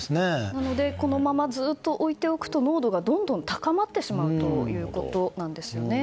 なので、このままずっと置いておくと濃度がどんどん高まってしまうということです。